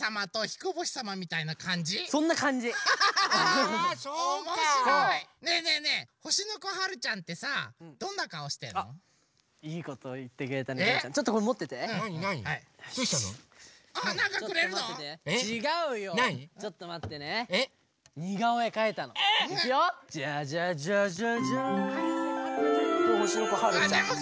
これほしのこはるちゃん！